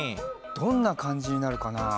どんなかんじになるかなあ？